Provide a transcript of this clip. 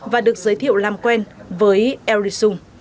và được giới thiệu làm quen với eri sung